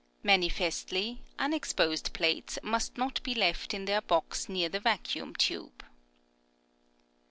Manifestly, unexposed plates must not be left in their box near the vacuum tube.